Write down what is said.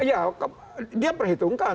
ya dia perhitungkan